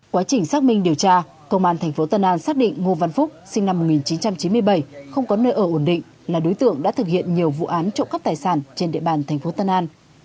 quá trình xác minh điều tra công an tp tân an xác định ngô văn phúc sinh năm một nghìn chín trăm chín mươi bảy không có nơi ở ổn định là đối tượng đã thực hiện nhiều vụ án trộm cắp tài sản trên địa bàn tp tân an